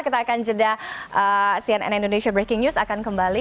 kita akan jeda cnn indonesia breaking news akan kembali